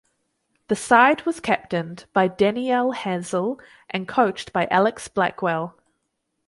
The side was captained by Danielle Hazell and coached by Alex Blackwell.